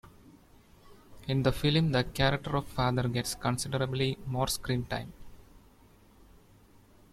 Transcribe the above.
In the film, the character of "Father" gets considerably more screen time.